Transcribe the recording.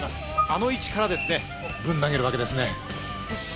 あの位置からですね、ぶん投げるわけですね。